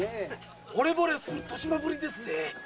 ほれぼれする年増ぶりですねえ！